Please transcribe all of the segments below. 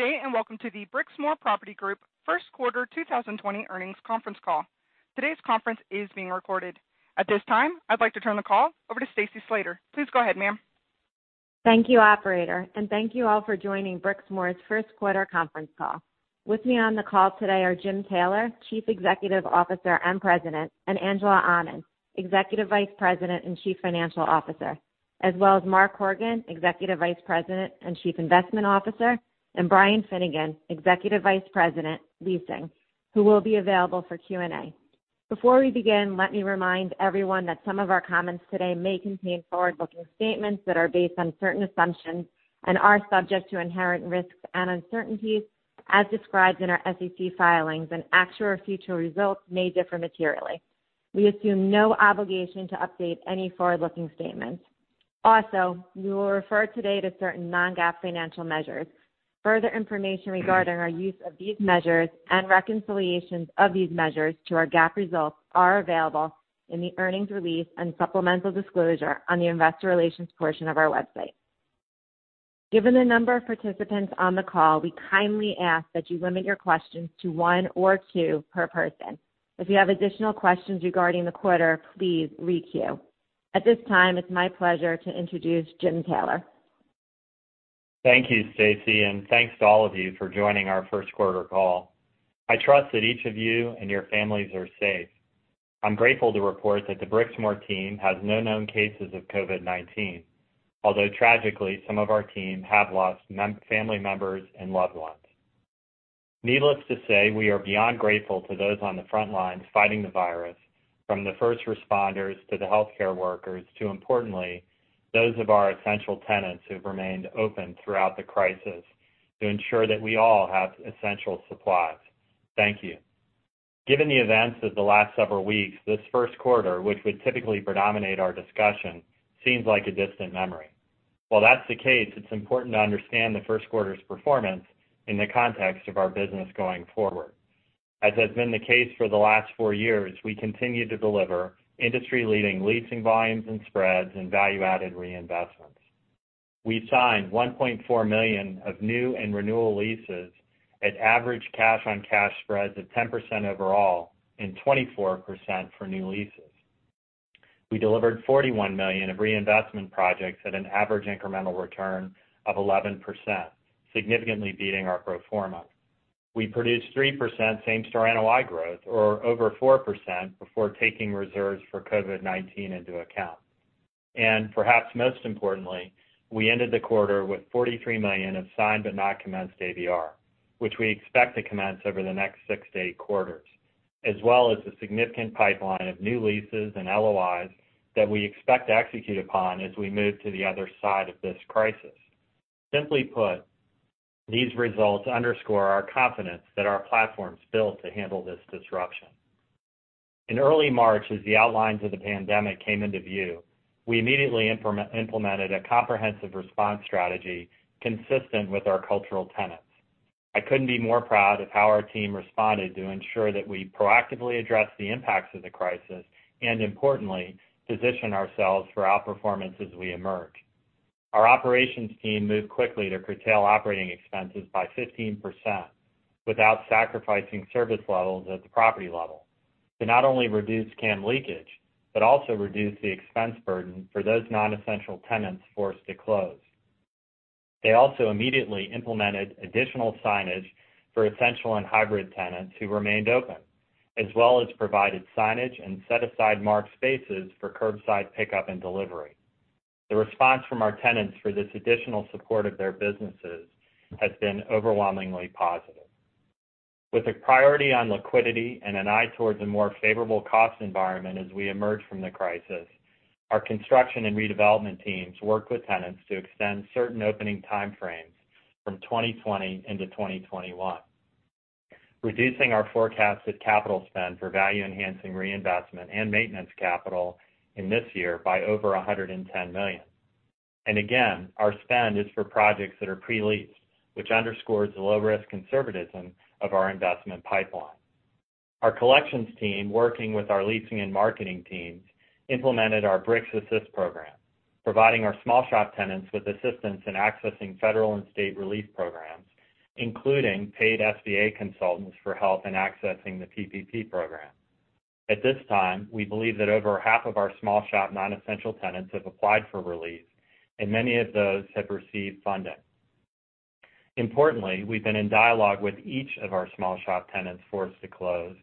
Good day, and welcome to the Brixmor Property Group first quarter 2020 earnings conference call. Today's conference is being recorded. At this time, I'd like to turn the call over to Stacy Slater. Please go ahead, ma'am. Thank you, operator, and thank you all for joining Brixmor's first quarter conference call. With me on the call today are Jim Taylor, Chief Executive Officer and President, and Angela Aman, Executive Vice President and Chief Financial Officer, as well as Mark Horgan, Executive Vice President and Chief Investment Officer, and Brian Finnegan, Executive Vice President, Leasing, who will be available for Q&A. Before we begin, let me remind everyone that some of our comments today may contain forward-looking statements that are based on certain assumptions and are subject to inherent risks and uncertainties as described in our SEC filings, and actual or future results may differ materially. We assume no obligation to update any forward-looking statements. Also, we will refer today to certain non-GAAP financial measures. Further information regarding our use of these measures and reconciliations of these measures to our GAAP results are available in the earnings release and supplemental disclosure on the investor relations portion of our website. Given the number of participants on the call, we kindly ask that you limit your questions to one or two per person. If you have additional questions regarding the quarter, please re-queue. At this time, it's my pleasure to introduce Jim Taylor. Thank you, Stacy, and thanks to all of you for joining our first quarter call. I trust that each of you and your families are safe. I'm grateful to report that the Brixmor team has no known cases of COVID-19. Tragically, some of our team have lost family members and loved ones. Needless to say, we are beyond grateful to those on the front lines fighting the virus, from the first responders to the healthcare workers to importantly, those of our essential tenants who've remained open throughout the crisis to ensure that we all have essential supplies. Thank you. Given the events of the last several weeks, this first quarter, which would typically predominate our discussion, seems like a distant memory. That's the case, it's important to understand the first quarter's performance in the context of our business going forward. As has been the case for the last four years, we continue to deliver industry-leading leasing volumes and spreads and value-added reinvestments. We signed 1.4 million of new and renewal leases at average cash-on-cash spreads of 10% overall and 24% for new leases. We delivered $41 million of reinvestment projects at an average incremental return of 11%, significantly beating our pro forma. We produced 3% same-store NOI growth or over 4% before taking reserves for COVID-19 into account. Perhaps most importantly, we ended the quarter with $43 million of signed but not commenced ABR, which we expect to commence over the next six to eight quarters, as well as a significant pipeline of new leases and LOIs that we expect to execute upon as we move to the other side of this crisis. Simply put, these results underscore our confidence that our platform's built to handle this disruption. In early March, as the outlines of the pandemic came into view, we immediately implemented a comprehensive response strategy consistent with our cultural tenets. I couldn't be more proud of how our team responded to ensure that we proactively address the impacts of the crisis and importantly, position ourselves for outperformance as we emerge. Our operations team moved quickly to curtail operating expenses by 15% without sacrificing service levels at the property level to not only reduce CAM leakage, but also reduce the expense burden for those non-essential tenants forced to close. They also immediately implemented additional signage for essential and hybrid tenants who remained open, as well as provided signage and set aside marked spaces for curbside pickup and delivery. The response from our tenants for this additional support of their businesses has been overwhelmingly positive. With a priority on liquidity and an eye towards a more favorable cost environment as we emerge from the crisis, our construction and redevelopment teams worked with tenants to extend certain opening time frames from 2020 into 2021, reducing our forecasted capital spend for value-enhancing reinvestment and maintenance capital in this year by over $110 million. Again, our spend is for projects that are pre-leased, which underscores the low-risk conservatism of our investment pipeline. Our collections team, working with our leasing and marketing teams, implemented our BrixAssist program, providing our small shop tenants with assistance in accessing federal and state relief programs, including paid SBA consultants for help in accessing the PPP program. At this time, we believe that over half of our small shop non-essential tenants have applied for relief, and many of those have received funding. Importantly, we've been in dialogue with each of our small shop tenants forced to close,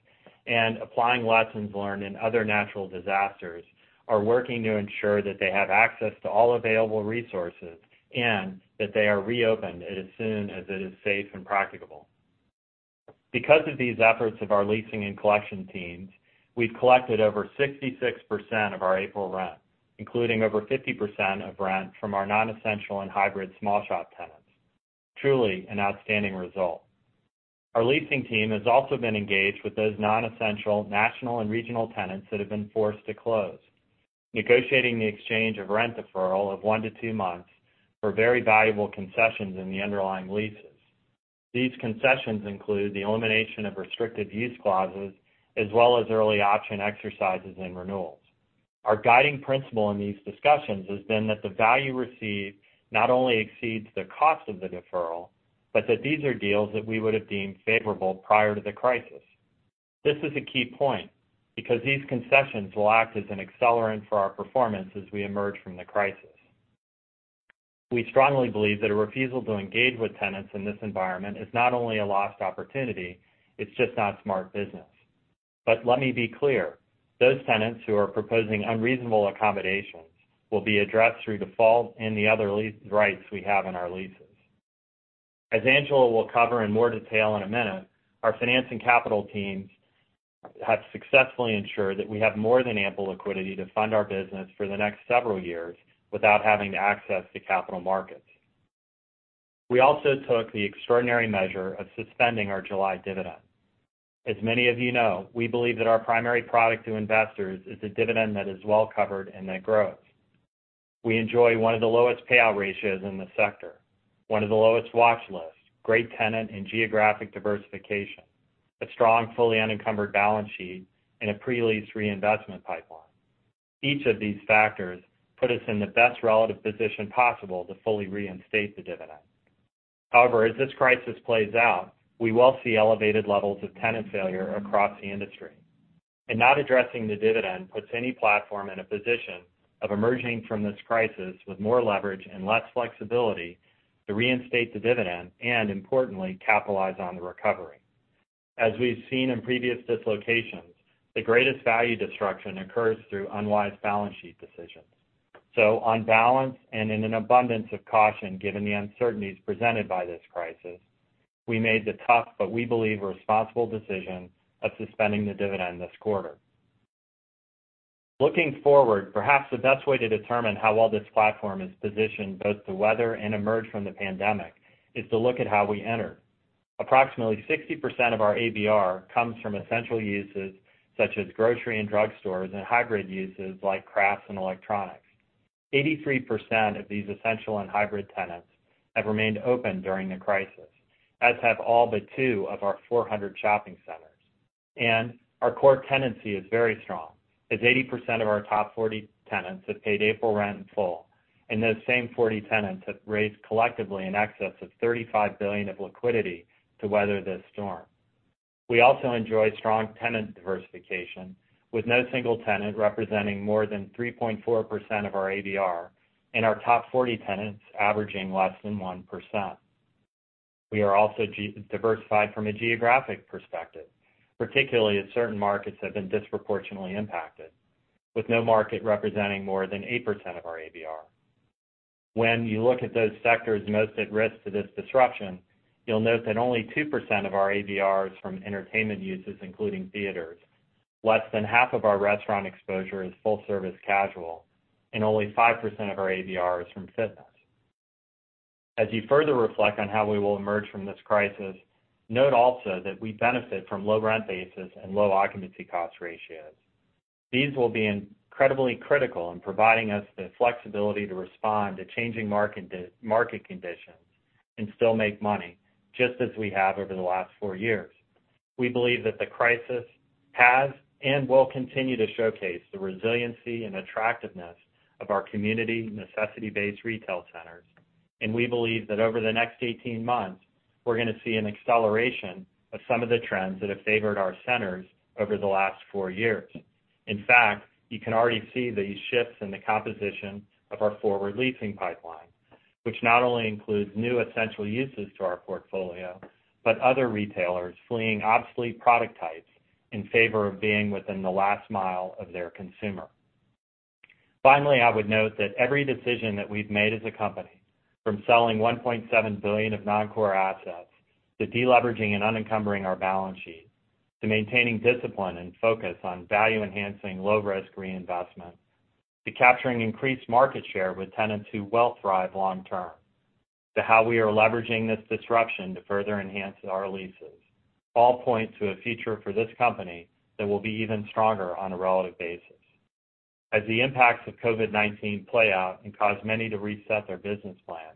and applying lessons learned in other natural disasters are working to ensure that they have access to all available resources and that they are reopened as soon as it is safe and practicable. Because of these efforts of our leasing and collection teams, we've collected over 66% of our April rent, including over 50% of rent from our non-essential and hybrid small shop tenants. Truly an outstanding result. Our leasing team has also been engaged with those non-essential national and regional tenants that have been forced to close, negotiating the exchange of rent deferral of one to two months for very valuable concessions in the underlying leases. These concessions include the elimination of restricted use clauses as well as early option exercises and renewals. Our guiding principle in these discussions has been that the value received not only exceeds the cost of the deferral, but that these are deals that we would have deemed favorable prior to the crisis. This is a key point, because these concessions will act as an accelerant for our performance as we emerge from the crisis. We strongly believe that a refusal to engage with tenants in this environment is not only a lost opportunity, it's just not smart business. Let me be clear. Those tenants who are proposing unreasonable accommodations will be addressed through default and the other lease rights we have in our leases. As Angela Aman will cover in more detail in a minute, our finance and capital teams have successfully ensured that we have more than ample liquidity to fund our business for the next several years without having to access the capital markets. We also took the extraordinary measure of suspending our July dividend. As many of you know, we believe that our primary product to investors is a dividend that is well covered and that grows. We enjoy one of the lowest payout ratios in the sector, one of the lowest watch lists, great tenant and geographic diversification, a strong fully unencumbered balance sheet, and a pre-lease reinvestment pipeline. Each of these factors put us in the best relative position possible to fully reinstate the dividend. However, as this crisis plays out, we will see elevated levels of tenant failure across the industry, and not addressing the dividend puts any platform in a position of emerging from this crisis with more leverage and less flexibility to reinstate the dividend and importantly, capitalize on the recovery. On balance and in an abundance of caution given the uncertainties presented by this crisis, we made the tough, but we believe, responsible decision of suspending the dividend this quarter. Looking forward, perhaps the best way to determine how well this platform is positioned both to weather and emerge from the pandemic is to look at how we enter. Approximately 60% of our ABR comes from essential uses such as grocery and drug stores, and hybrid uses like crafts and electronics. 83% of these essential and hybrid tenants have remained open during the crisis, as have all but two of our 400 shopping centers. Our core tenancy is very strong, as 80% of our top 40 tenants have paid April rent in full, and those same 40 tenants have raised collectively in excess of $35 billion of liquidity to weather this storm. We also enjoy strong tenant diversification, with no single tenant representing more than 3.4% of our ABR and our top 40 tenants averaging less than 1%. We are also diversified from a geographic perspective, particularly as certain markets have been disproportionately impacted, with no market representing more than 8% of our ABR. When you look at those sectors most at risk to this disruption, you'll note that only 2% of our ABR is from entertainment uses, including theaters. Less than half of our restaurant exposure is full-service casual, and only 5% of our ABR is from fitness. As you further reflect on how we will emerge from this crisis, note also that we benefit from low rent basis and low occupancy cost ratios. These will be incredibly critical in providing us the flexibility to respond to changing market conditions and still make money, just as we have over the last four years. We believe that the crisis has and will continue to showcase the resiliency and attractiveness of our community necessity-based retail centers. We believe that over the next 18 months, we're going to see an acceleration of some of the trends that have favored our centers over the last four years. In fact, you can already see these shifts in the composition of our forward leasing pipeline, which not only includes new essential uses to our portfolio, but other retailers fleeing obsolete product types in favor of being within the last mile of their consumer. Finally, I would note that every decision that we've made as a company, from selling $1.7 billion of non-core assets, to de-leveraging and unencumbering our balance sheet, to maintaining discipline and focus on value-enhancing low-risk reinvestment, to capturing increased market share with tenants who will thrive long term, to how we are leveraging this disruption to further enhance our leases, all point to a future for this company that will be even stronger on a relative basis. As the impacts of COVID-19 play out and cause many to reset their business plans,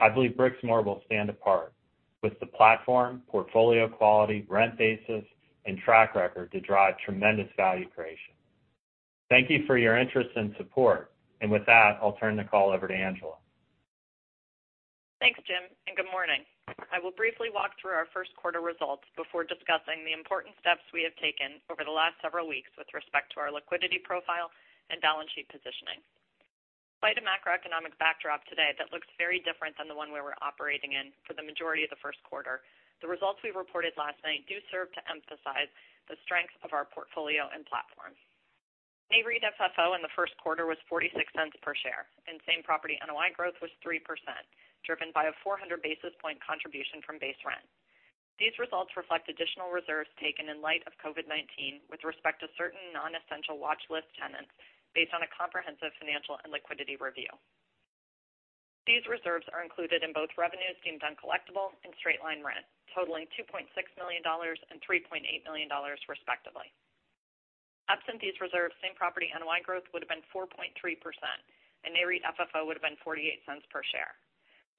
I believe Brixmor will stand apart with the platform, portfolio quality, rent basis, and track record to drive tremendous value creation. Thank you for your interest and support. With that, I'll turn the call over to Angela. Thanks, Jim, and good morning. I will briefly walk through our first quarter results before discussing the important steps we have taken over the last several weeks with respect to our liquidity profile and balance sheet positioning. Despite a macroeconomic backdrop today that looks very different than the one we were operating in for the majority of the first quarter, the results we reported last night do serve to emphasize the strength of our portfolio and platform. NAREIT FFO in the first quarter was $0.46 per share, and same property NOI growth was 3%, driven by a 400 basis point contribution from base rent. These results reflect additional reserves taken in light of COVID-19 with respect to certain non-essential watch list tenants based on a comprehensive financial and liquidity review. These reserves are included in both revenues deemed uncollectible and straight-line rent, totaling $2.6 million and $3.8 million, respectively. Absent these reserves, same property NOI growth would have been 4.3%, and NAREIT FFO would have been $0.48 per share.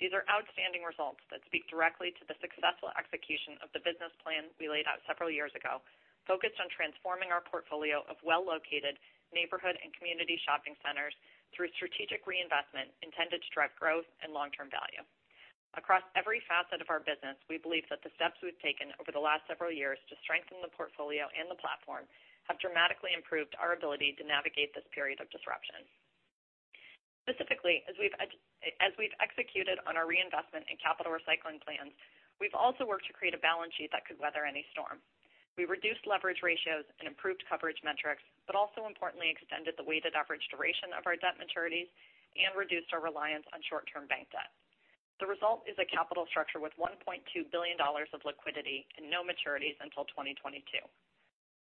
These are outstanding results that speak directly to the successful execution of the business plan we laid out several years ago, focused on transforming our portfolio of well-located neighborhood and community shopping centers through strategic reinvestment intended to drive growth and long-term value. Across every facet of our business, we believe that the steps we've taken over the last several years to strengthen the portfolio and the platform have dramatically improved our ability to navigate this period of disruption. Specifically, as we've executed on our reinvestment and capital recycling plans, we've also worked to create a balance sheet that could weather any storm. We reduced leverage ratios and improved coverage metrics, but also importantly extended the weighted average duration of our debt maturities and reduced our reliance on short-term bank debt. The result is a capital structure with $1.2 billion of liquidity and no maturities until 2022.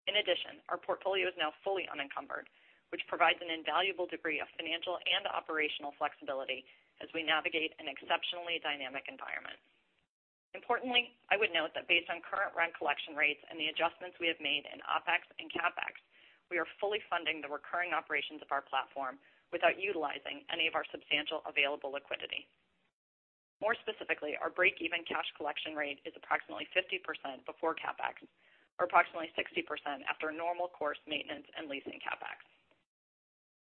In addition, our portfolio is now fully unencumbered, which provides an invaluable degree of financial and operational flexibility as we navigate an exceptionally dynamic environment. Importantly, I would note that based on current rent collection rates and the adjustments we have made in OpEx and CapEx, we are fully funding the recurring operations of our platform without utilizing any of our substantial available liquidity. More specifically, our break-even cash collection rate is approximately 50% before CapEx or approximately 60% after normal course maintenance and leasing CapEx.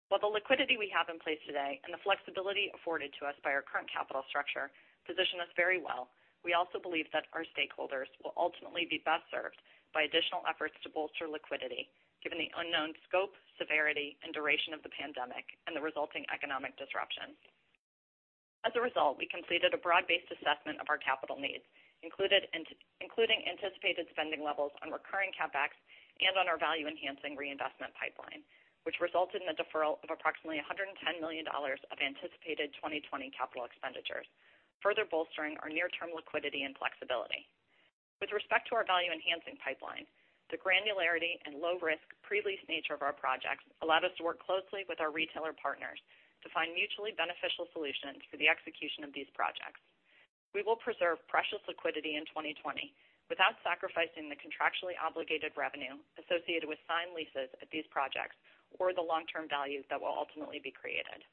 While the liquidity we have in place today and the flexibility afforded to us by our current capital structure position us very well, we also believe that our stakeholders will ultimately be best served by additional efforts to bolster liquidity, given the unknown scope, severity, and duration of the pandemic and the resulting economic disruptions. We completed a broad-based assessment of our capital needs, including anticipated spending levels on recurring CapEx and on our value-enhancing reinvestment pipeline, which resulted in the deferral of approximately $110 million of anticipated 2020 capital expenditures, further bolstering our near-term liquidity and flexibility. With respect to our value-enhancing pipeline, the granularity and low-risk pre-lease nature of our projects allowed us to work closely with our retailer partners to find mutually beneficial solutions for the execution of these projects. We will preserve precious liquidity in 2020 without sacrificing the contractually obligated revenue associated with signed leases at these projects or the long-term value that will ultimately be created.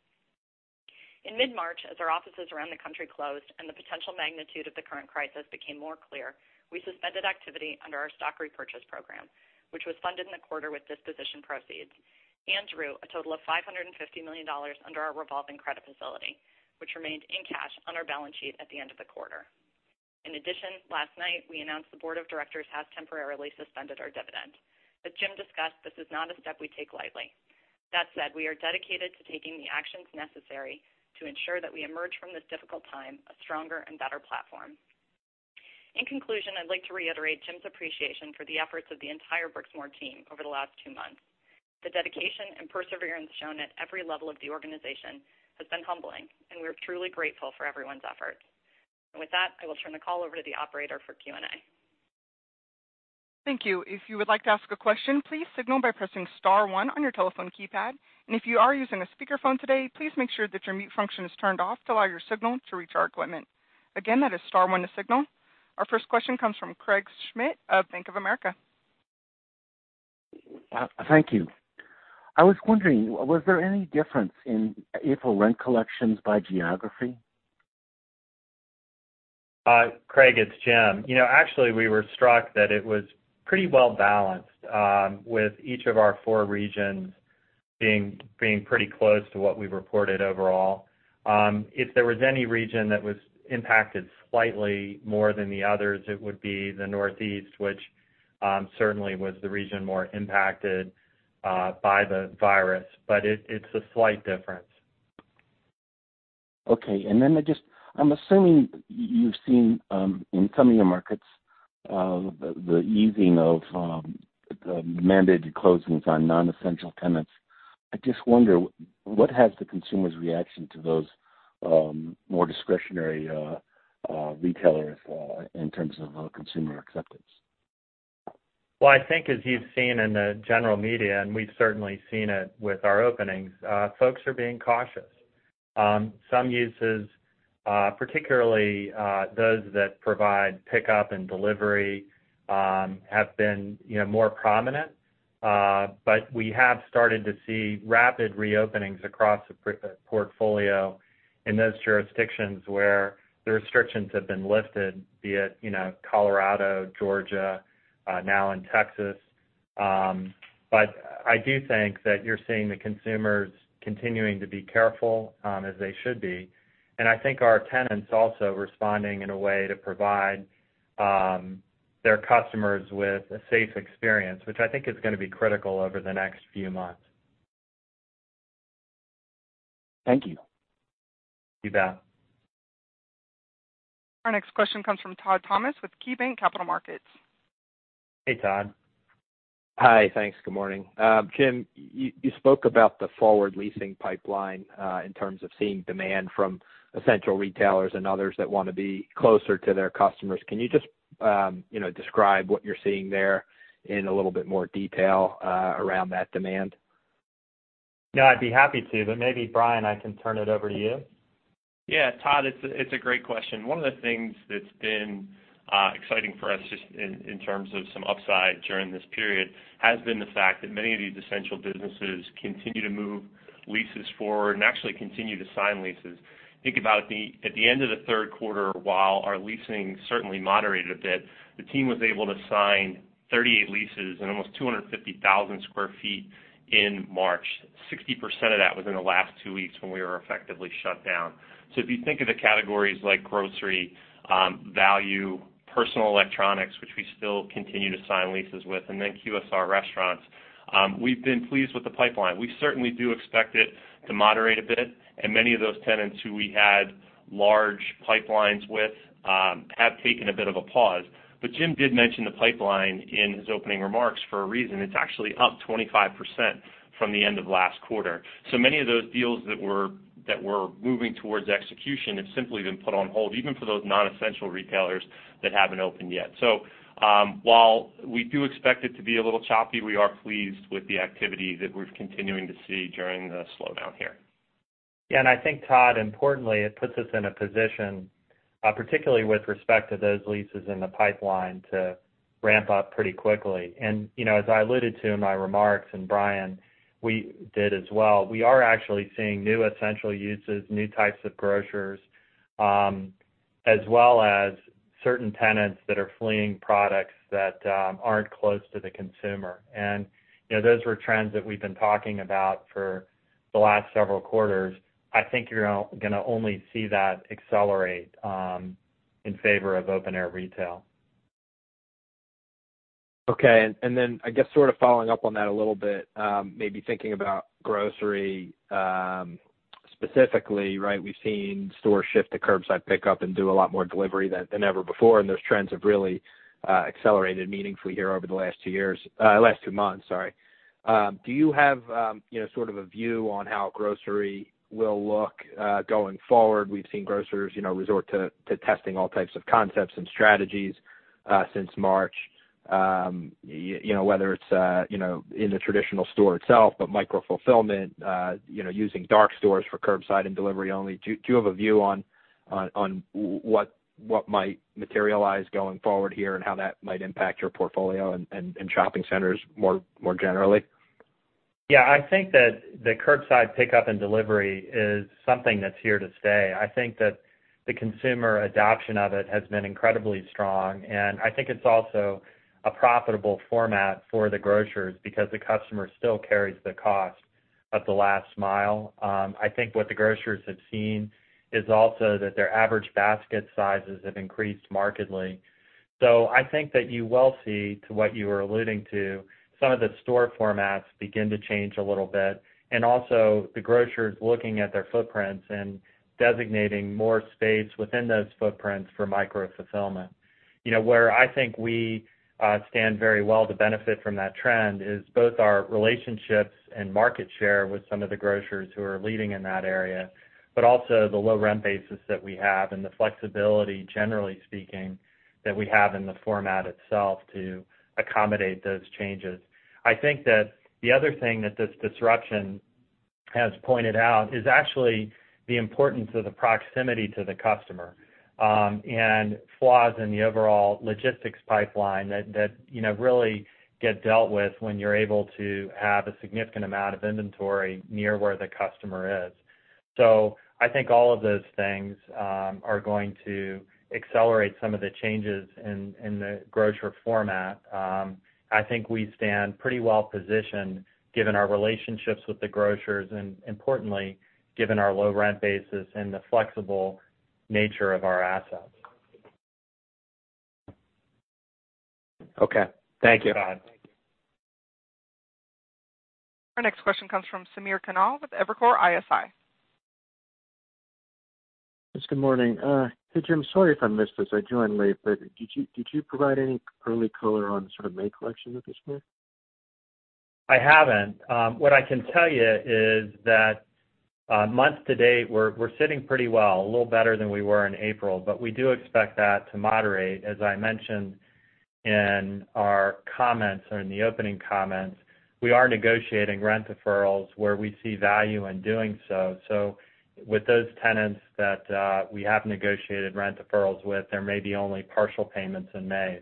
In mid-March, as our offices around the country closed and the potential magnitude of the current crisis became more clear, we suspended activity under our stock repurchase program, which was funded in the quarter with disposition proceeds and drew a total of $550 million under our revolving credit facility, which remained in cash on our balance sheet at the end of the quarter. In addition, last night, we announced the board of directors has temporarily suspended our dividend. As Jim discussed, this is not a step we take lightly. That said, we are dedicated to taking the actions necessary to ensure that we emerge from this difficult time a stronger and better platform. In conclusion, I'd like to reiterate Jim's appreciation for the efforts of the entire Brixmor team over the last two months. The dedication and perseverance shown at every level of the organization has been humbling, and we're truly grateful for everyone's efforts. With that, I will turn the call over to the operator for Q&A. Thank you. If you would like to ask a question, please signal by pressing star one on your telephone keypad. If you are using a speakerphone today, please make sure that your mute function is turned off to allow your signal to reach our equipment. Again, that is star one to signal. Our first question comes from Craig Schmidt of Bank of America. Thank you. I was wondering, was there any difference in April rent collections by geography? Craig, it's Jim. Actually, we were struck that it was pretty well balanced with each of our four regions being pretty close to what we reported overall. If there was any region that was impacted slightly more than the others, it would be the Northeast, which certainly was the region more impacted by the virus. It's a slight difference. Okay. I'm assuming you've seen in some of your markets the easing of the mandated closings on non-essential tenants. I just wonder, what has the consumer's reaction to those more discretionary retailers in terms of consumer acceptance? Well, I think as you've seen in the general media, and we've certainly seen it with our openings, folks are being cautious. Some uses, particularly those that provide pickup and delivery, have been more prominent. We have started to see rapid reopenings across the portfolio in those jurisdictions where the restrictions have been lifted, be it Colorado, Georgia, now in Texas. I do think that you're seeing the consumers continuing to be careful as they should be. I think our tenants also responding in a way to provide their customers with a safe experience, which I think is going to be critical over the next few months. Thank you. You bet. Our next question comes from Todd Thomas with KeyBanc Capital Markets. Hey, Todd. Hi. Thanks. Good morning. Jim, you spoke about the forward leasing pipeline in terms of seeing demand from essential retailers and others that want to be closer to their customers. Can you just describe what you're seeing there in a little bit more detail around that demand? Yeah, I'd be happy to. Maybe Brian, I can turn it over to you. Yeah, Todd, it's a great question. One of the things that's been exciting for us just in terms of some upside during this period, has been the fact that many of these essential businesses continue to move leases forward and actually continue to sign leases. Think about at the end of the third quarter, while our leasing certainly moderated a bit, the team was able to sign 38 leases in almost 250,000 sq ft in March. 60% of that was in the last two weeks when we were effectively shut down. If you think of the categories like grocery, value, personal electronics, which we still continue to sign leases with, and then QSR restaurants, we've been pleased with the pipeline. We certainly do expect it to moderate a bit, and many of those tenants who we had large pipelines with have taken a bit of a pause. Jim did mention the pipeline in his opening remarks for a reason. It's actually up 25% from the end of last quarter. Many of those deals that were moving towards execution have simply been put on hold, even for those non-essential retailers that haven't opened yet. While we do expect it to be a little choppy, we are pleased with the activity that we're continuing to see during the slowdown here. Yeah, I think, Todd, importantly, it puts us in a position, particularly with respect to those leases in the pipeline, to ramp up pretty quickly. As I alluded to in my remarks, and Brian, we did as well, we are actually seeing new essential uses, new types of grocers, as well as certain tenants that are fleeing products that aren't close to the consumer. Those were trends that we've been talking about for the last several quarters. I think you're going to only see that accelerate in favor of open air retail. I guess sort of following up on that a little bit, maybe thinking about grocery, specifically, we've seen stores shift to curbside pickup and do a lot more delivery than ever before, and those trends have really accelerated meaningfully here over the last two months, sorry. Do you have sort of a view on how grocery will look going forward? We've seen grocers resort to testing all types of concepts and strategies since March, whether it's in the traditional store itself, but micro fulfillment, using dark stores for curbside and delivery only. Do you have a view on what might materialize going forward here and how that might impact your portfolio and shopping centers more generally? I think that the curbside pickup and delivery is something that's here to stay. I think that the consumer adoption of it has been incredibly strong, and I think it's also a profitable format for the grocers because the customer still carries the cost of the last mile. I think what the grocers have seen is also that their average basket sizes have increased markedly. I think that you will see, to what you were alluding to, some of the store formats begin to change a little bit, and also the grocers looking at their footprints and designating more space within those footprints for micro fulfillment. Where I think we stand very well to benefit from that trend is both our relationships and market share with some of the grocers who are leading in that area, but also the low rent basis that we have and the flexibility, generally speaking, that we have in the format itself to accommodate those changes. I think that the other thing that this disruption has pointed out is actually the importance of the proximity to the customer, and flaws in the overall logistics pipeline that really get dealt with when you're able to have a significant amount of inventory near where the customer is. I think all of those things are going to accelerate some of the changes in the grocer format. I think we stand pretty well positioned given our relationships with the grocers, and importantly, given our low rent basis and the flexible nature of our assets. Okay. Thank you. You bet. Our next question comes from Samir Khanal with Evercore ISI. Yes, good morning. Hey, Jim, sorry if I missed this, I joined late, but did you provide any early color on sort of May collection with this group? I haven't. What I can tell you is that month to date, we're sitting pretty well, a little better than we were in April. We do expect that to moderate. As I mentioned in our comments, or in the opening comments, we are negotiating rent deferrals where we see value in doing so. With those tenants that we have negotiated rent deferrals with, there may be only partial payments in May.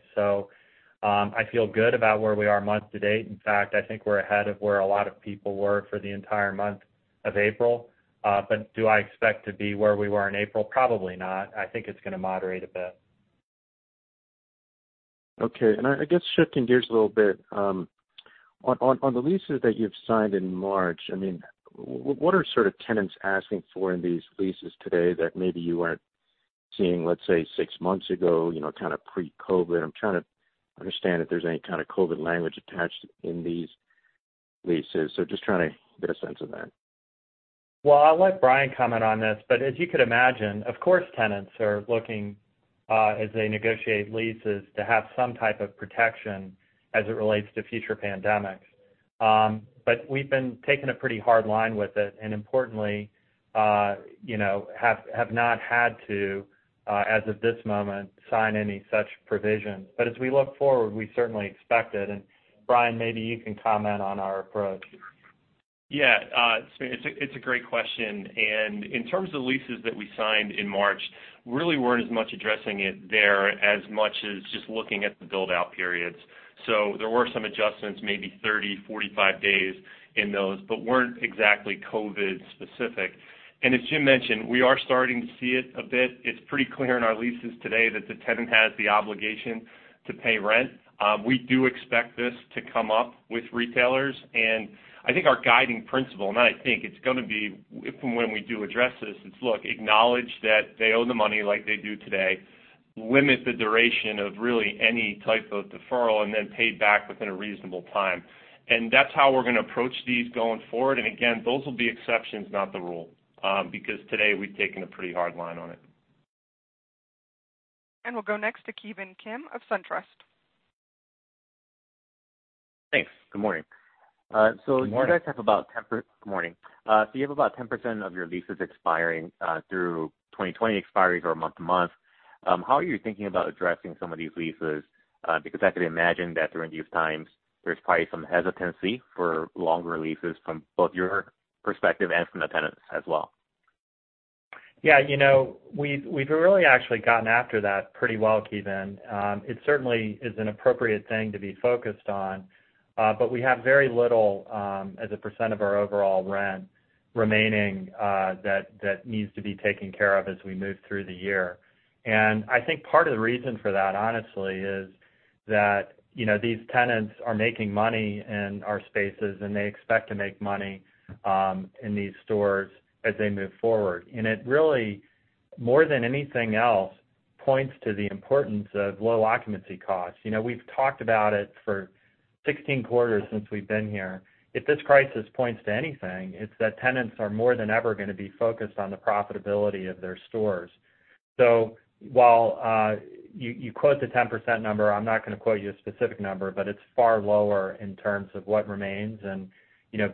I feel good about where we are month to date. In fact, I think we're ahead of where a lot of people were for the entire month of April. Do I expect to be where we were in April? Probably not. I think it's going to moderate a bit. Okay, I guess shifting gears a little bit. On the leases that you've signed in March, what are sort of tenants asking for in these leases today that maybe you weren't seeing, let's say, six months ago, kind of pre-COVID? I'm trying to understand if there's any kind of COVID language attached in these leases. Just trying to get a sense of that. I'll let Brian comment on this, but as you could imagine, of course, tenants are looking, as they negotiate leases, to have some type of protection as it relates to future pandemics. We've been taking a pretty hard line with it, and importantly, have not had to, as of this moment, sign any such provisions. As we look forward, we certainly expect it. Brian, maybe you can comment on our approach. Yeah. It's a great question. In terms of the leases that we signed in March, really weren't as much addressing it there as much as just looking at the build-out periods. There were some adjustments, maybe 30, 45 days in those, but weren't exactly COVID specific. As Jim mentioned, we are starting to see it a bit. It's pretty clear in our leases today that the tenant has the obligation to pay rent. We do expect this to come up with retailers. I think our guiding principle, not I think, it's going to be from when we do address this, it's look, acknowledge that they owe the money like they do today, limit the duration of really any type of deferral, then pay back within a reasonable time. That's how we're going to approach these going forward. Again, those will be exceptions, not the rule, because today we've taken a pretty hard line on it. We'll go next to Ki Bin Kim of SunTrust. Thanks. Good morning. Good morning. Good morning. You have about 10% of your leases expiring, through 2020 expiries are month-to-month. How are you thinking about addressing some of these leases? I could imagine that during these times, there's probably some hesitancy for longer leases from both your perspective and from the tenants as well. Yeah. We've really actually gotten after that pretty well, Ki Bin. It certainly is an appropriate thing to be focused on. We have very little, as a percent of our overall rent remaining, that needs to be taken care of as we move through the year. I think part of the reason for that, honestly, is that these tenants are making money in our spaces, and they expect to make money in these stores as they move forward. It really, more than anything else, points to the importance of low occupancy costs. We've talked about it for 16 quarters since we've been here. If this crisis points to anything, it's that tenants are more than ever going to be focused on the profitability of their stores. While you quote the 10% number, I'm not going to quote you a specific number, but it's far lower in terms of what remains.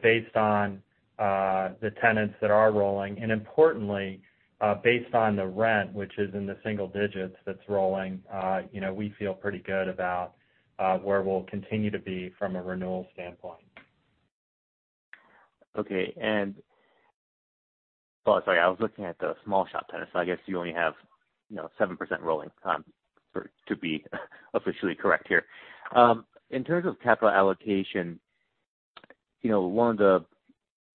Based on the tenants that are rolling, and importantly based on the rent, which is in the single digits that's rolling, we feel pretty good about where we'll continue to be from a renewal standpoint. Okay. Oh, sorry, I was looking at the small shop tenants. I guess you only have 7% rolling to be officially correct here. In terms of capital allocation, one of the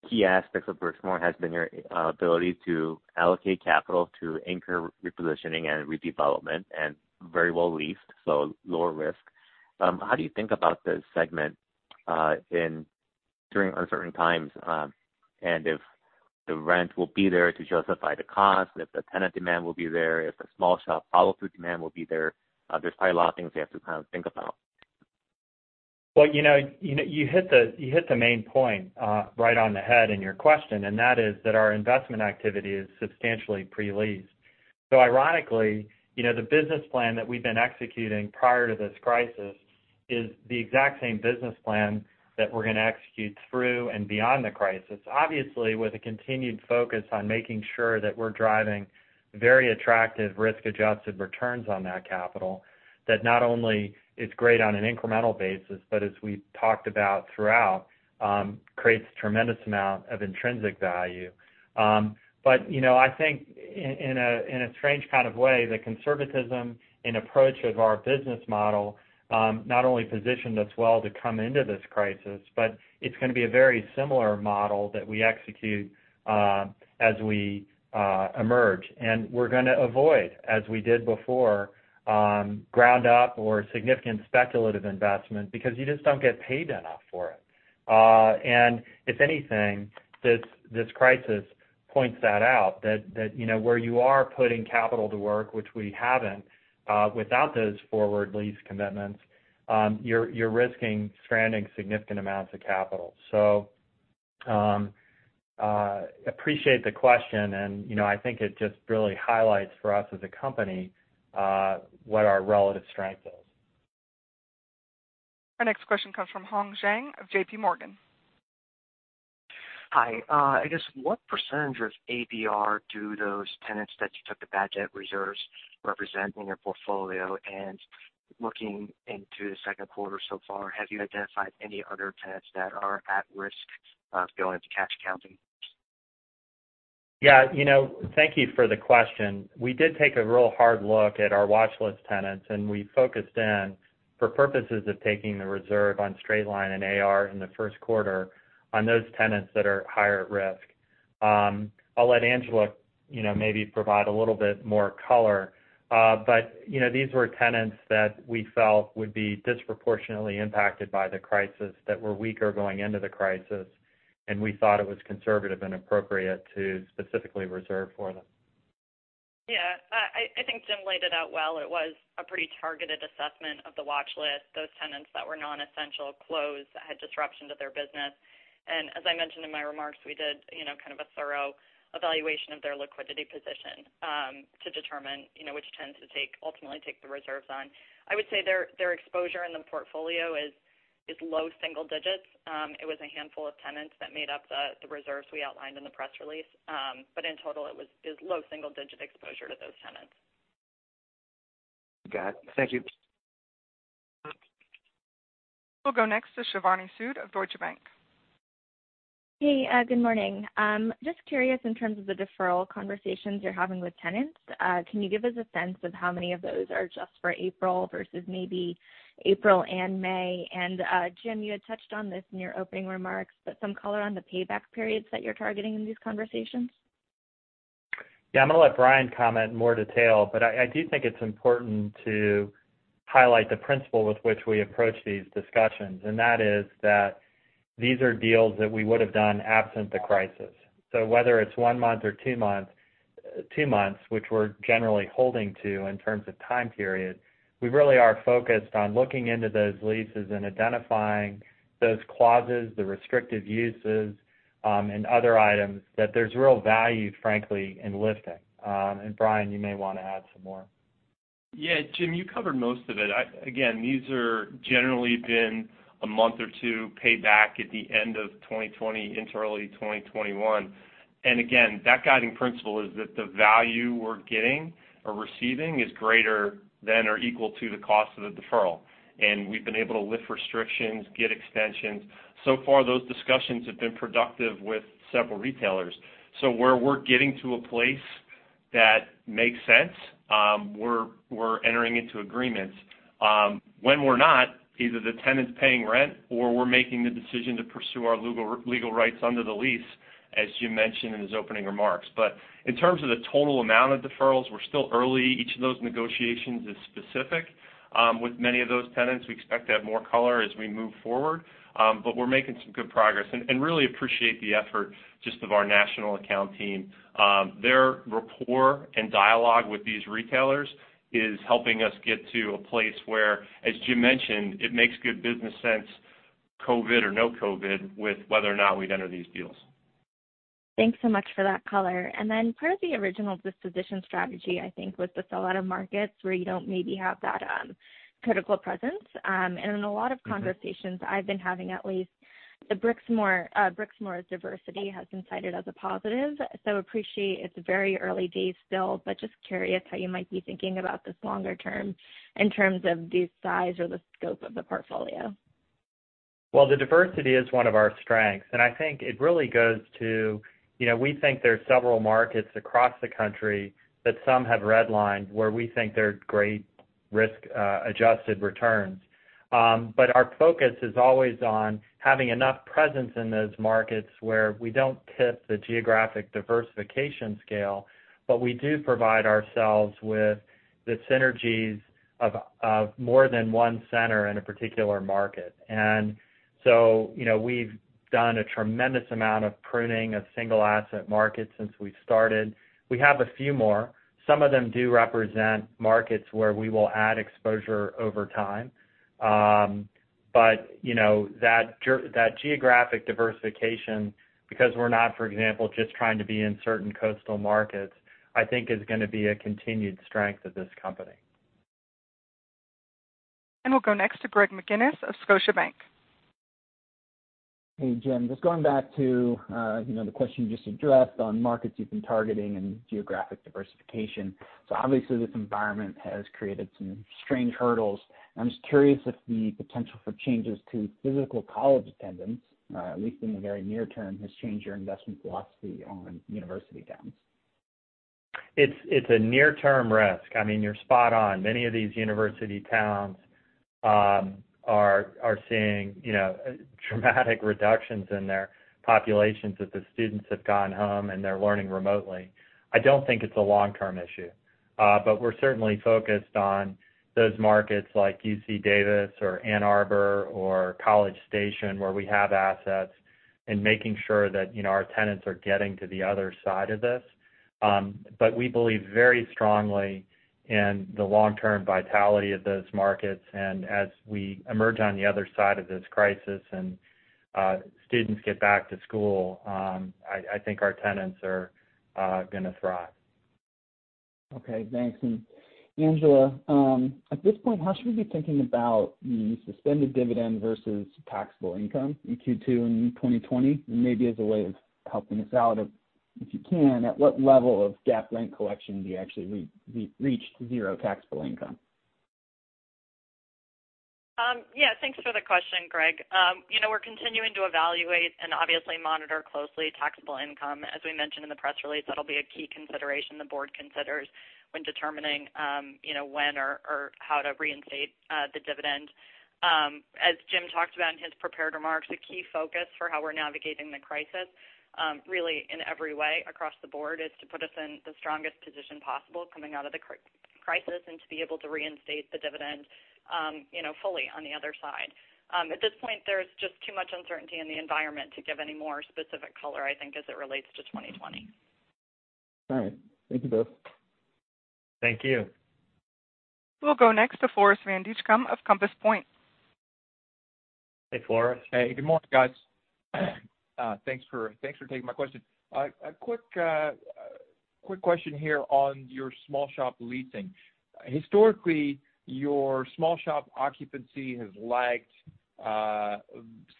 key aspects of Brixmor has been your ability to allocate capital to anchor repositioning and redevelopment and very well leased, so lower risk. How do you think about this segment during uncertain times? If the rent will be there to justify the cost, if the tenant demand will be there, if the small shop follow-through demand will be there's probably a lot of things you have to kind of think about. Well, you hit the main point right on the head in your question, and that is that our investment activity is substantially pre-leased. Ironically, the business plan that we've been executing prior to this crisis is the exact same business plan that we're going to execute through and beyond the crisis, obviously with a continued focus on making sure that we're driving very attractive risk-adjusted returns on that capital, that not only is great on an incremental basis, but as we've talked about throughout, creates a tremendous amount of intrinsic value. I think in a strange kind of way, the conservatism in approach of our business model, not only positioned us well to come into this crisis, but it's going to be a very similar model that we execute as we emerge. We're going to avoid, as we did before, ground up or significant speculative investment because you just don't get paid enough for it. If anything, this crisis points that out, that where you are putting capital to work, which we haven't, without those forward lease commitments, you're risking stranding significant amounts of capital. Appreciate the question, and I think it just really highlights for us as a company what our relative strength is. Our next question comes from Hong Zhang of JPMorgan. Hi. I guess what percent of ABR do those tenants that you took the bad debt reserves represent in your portfolio? Looking into the second quarter so far, have you identified any other tenants that are at risk of going into cash accounting? Yeah. Thank you for the question. We did take a real hard look at our watchlist tenants, and we focused in, for purposes of taking the reserve on straight line and AR in the first quarter, on those tenants that are higher risk. I'll let Angela maybe provide a little bit more color. These were tenants that we felt would be disproportionately impacted by the crisis, that were weaker going into the crisis, and we thought it was conservative and appropriate to specifically reserve for them. Yeah. I think Jim laid it out well. It was a pretty targeted assessment of the watchlist. Those tenants that were non-essential, closed, had disruption to their business. As I mentioned in my remarks, we did kind of a thorough evaluation of their liquidity position to determine which tenants to ultimately take the reserves on. I would say their exposure in the portfolio is low single digits. It was a handful of tenants that made up the reserves we outlined in the press release. In total, it is low single digit exposure to those tenants. Got it. Thank you. We'll go next to Shivani Sood of Deutsche Bank. Hey, good morning. Just curious in terms of the deferral conversations you're having with tenants, can you give us a sense of how many of those are just for April versus maybe April and May? Jim, you had touched on this in your opening remarks, but some color on the payback periods that you're targeting in these conversations. Yeah. I'm going to let Brian comment in more detail, but I do think it's important to highlight the principle with which we approach these discussions, and that is that these are deals that we would have done absent the crisis. Whether it's one month or two months, which we're generally holding to in terms of time period, we really are focused on looking into those leases and identifying those clauses, the restrictive uses, and other items that there's real value, frankly, in lifting. Brian, you may want to add some more. Yeah. Jim, you covered most of it. Again, these are generally been a month or two payback at the end of 2020 into early 2021. That guiding principle is that the value we're getting or receiving is greater than or equal to the cost of the deferral. We've been able to lift restrictions, get extensions. So far, those discussions have been productive with several retailers. Where we're getting to a place that makes sense, we're entering into agreements. When we're not, either the tenant's paying rent or we're making the decision to pursue our legal rights under the lease, as Jim mentioned in his opening remarks. In terms of the total amount of deferrals, we're still early. Each of those negotiations is specific. With many of those tenants, we expect to have more color as we move forward. We're making some good progress, and really appreciate the effort just of our national account team. Their rapport and dialogue with these retailers is helping us get to a place where, as Jim mentioned, it makes good business sense, COVID or no COVID, with whether or not we'd enter these deals. Thanks so much for that color. Part of the original disposition strategy, I think, was the sellout of markets where you don't maybe have that critical presence. In a lot of conversations I've been having, at least, Brixmor's diversity has been cited as a positive. Appreciate it's very early days still, but just curious how you might be thinking about this longer term in terms of the size or the scope of the portfolio. Well, the diversity is one of our strengths, and I think it really goes to, we think there are several markets across the country that some have red-lined, where we think there are great risk-adjusted returns. Our focus is always on having enough presence in those markets where we don't tip the geographic diversification scale. We've done a tremendous amount of pruning of single-asset markets since we've started. We have a few more. Some of them do represent markets where we will add exposure over time. That geographic diversification, because we're not, for example, just trying to be in certain coastal markets, I think is going to be a continued strength of this company. We'll go next to Greg McGinniss of Scotiabank. Hey, Jim. Just going back to the question you just addressed on markets you've been targeting and geographic diversification. Obviously this environment has created some strange hurdles, and I'm just curious if the potential for changes to physical college attendance, at least in the very near term, has changed your investment philosophy on university towns. It's a near-term risk. I mean, you're spot on. Many of these university towns are seeing dramatic reductions in their populations as the students have gone home and they're learning remotely. I don't think it's a long-term issue. We're certainly focused on those markets like UC Davis or Ann Arbor or College Station, where we have assets, and making sure that our tenants are getting to the other side of this. We believe very strongly in the long-term vitality of those markets. As we emerge on the other side of this crisis and students get back to school, I think our tenants are going to thrive. Okay. Thanks. Angela, at this point, how should we be thinking about the suspended dividend versus taxable income in Q2 in 2020? Maybe as a way of helping us out, if you can, at what level of GAAP rent collection do you actually reach zero taxable income? Yeah. Thanks for the question, Greg. We're continuing to evaluate and obviously monitor closely taxable income. As we mentioned in the press release, that'll be a key consideration the board considers when determining when or how to reinstate the dividend. As Jim talked about in his prepared remarks, a key focus for how we're navigating the crisis, really in every way across the board, is to put us in the strongest position possible coming out of the crisis and to be able to reinstate the dividend fully on the other side. At this point, there's just too much uncertainty in the environment to give any more specific color, I think, as it relates to 2020. All right. Thank you both. Thank you. We'll go next to Floris van Dijkum of Compass Point. Hey, Floris. Hey, good morning, guys. Thanks for taking my question. A quick question here on your small shop leasing. Historically, your small shop occupancy has lagged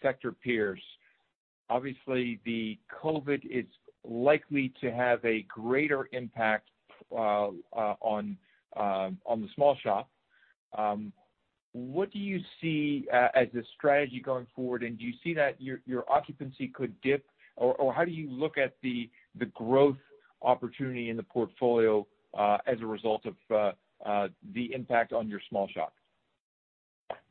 sector peers. Obviously, the COVID is likely to have a greater impact on the small shop. What do you see as the strategy going forward, and do you see that your occupancy could dip? Or how do you look at the growth opportunity in the portfolio, as a result of the impact on your small shop?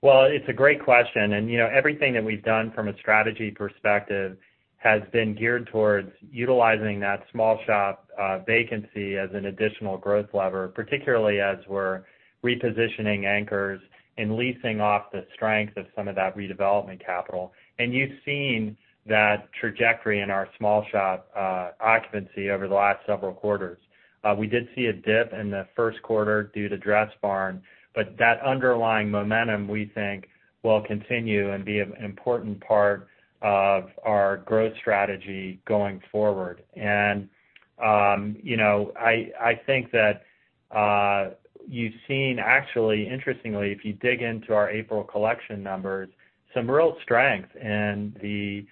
Well, it's a great question. Everything that we've done from a strategy perspective has been geared towards utilizing that small shop vacancy as an additional growth lever, particularly as we're repositioning anchors and leasing off the strength of some of that redevelopment capital. You've seen that trajectory in our small shop occupancy over the last several quarters. We did see a dip in the first quarter due to Dressbarn, but that underlying momentum, we think, will continue and be an important part of our growth strategy going forward. I think that you've seen, actually, interestingly, if you dig into our April collection numbers, some real strength in the